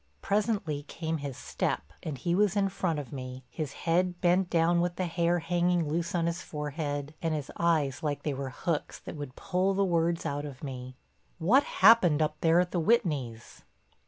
Presently came his step and he was in front of me, his head bent down with the hair hanging loose on his forehead, and his eyes like they were hooks that would pull the words out of me: "What happened up there at the Whitneys?"